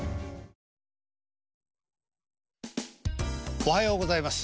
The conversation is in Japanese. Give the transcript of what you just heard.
おはようございます。